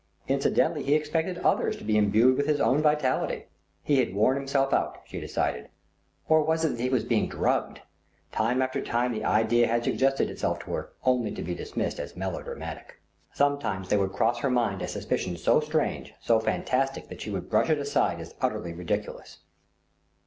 Incidentally he expected others to be imbued with his own vitality. He had worn himself out, she decided, or was it that he was being drugged? Time after time the idea had suggested itself to her, only to be dismissed as melodramatic. Sometimes there would cross her mind a suspicion so strange, so fantastic that she would brush it aside as utterly ridiculous.